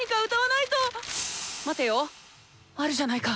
待てよあるじゃないか！